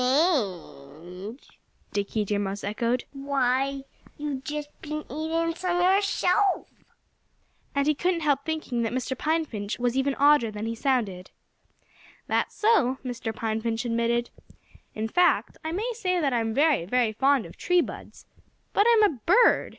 "Strange!" Dickie Deer Mouse echoed. "Why, you've just been eating some yourself!" And he couldn't help thinking that Mr. Pine Finch was even odder than he sounded. "That's so," Mr. Pine Finch admitted. "In fact, I may say that I'm very, very fond of tree buds. But I'm a bird.